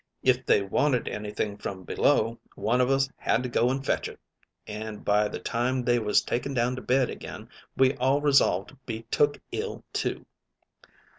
If they wanted any thing from below, one of us had to go an' fetch it, an' by the time they was taken down to bed again, we all resolved to be took ill too.